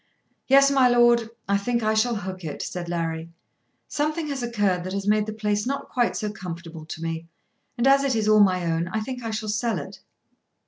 "Yes, my lord; I think I shall hook it," said Larry. "Something has occurred that has made the place not quite so comfortable to me; and as it is all my own I think I shall sell it."